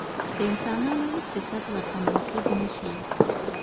د انسانانو هېڅ صفت ورته منسوب نه شي.